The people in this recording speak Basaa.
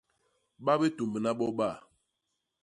Ba bitumbna boba.